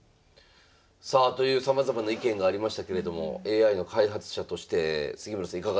さあというさまざまな意見がありましたけれどもＡＩの開発者として杉村さんいかがですか？